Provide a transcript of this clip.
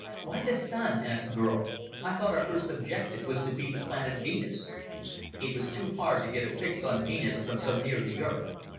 "Why the Sun?" asked Burl. "I thought our first objective was to be the planet Venus?" "It was too hard to get a fix on Venus from so near the Earth.